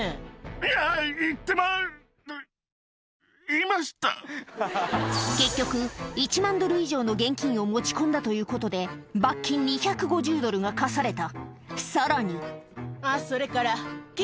いや、結局、１万ドル以上の現金を持ち込んだということで、罰金２５０ドルが科された。